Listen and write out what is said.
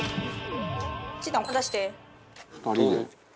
「２人で？」